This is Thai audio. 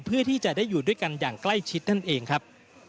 เพื่อที่จะได้อยู่ด้วยกันอย่างใกล้ชิดนั่นเองครับ